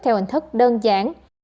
theo hình thức đơn giản